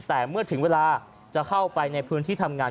แต่เมื่อถึงเวลาจะเข้าไปในพื้นที่ทำงาน